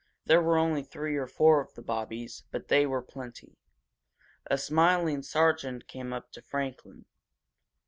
There were only three or four of the Bobbies, but they were plenty. A smiling sergeant came up to Franklin.